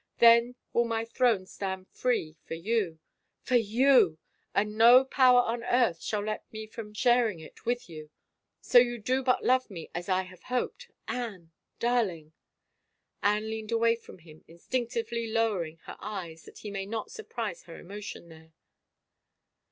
Then will my throne stand free for you — for you — and no power on earth shall let me from sharing it with you — so you do but love me, as I have hope. Anne — darling —" Anne leaned away from him, instinctively lowering her eyes that he might not surprise her emotion there.